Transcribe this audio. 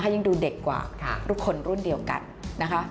ยิ่งดูเด็กกว่ารูปคนรุ่นเดียวกัน